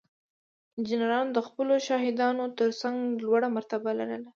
انجینرانو د خپلو پادشاهانو ترڅنګ لوړه مرتبه لرله.